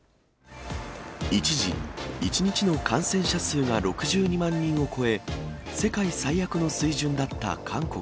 一時、１日の感染者数が６２万人を超え、世界最悪の水準だった韓国。